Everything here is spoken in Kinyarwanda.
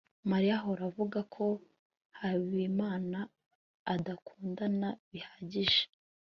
mariya ahora avuga ko habimana adakundana bihagije